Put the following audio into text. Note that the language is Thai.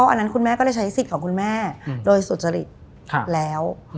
อันนั้นคุณแม่ก็เลยใช้สิทธิ์ของคุณแม่โดยสุจริตแล้ว